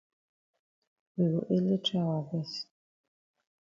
We go ele try wa best.